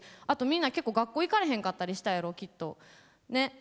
あとみんな結構学校行かれへんかったりしたやろきっと。ね。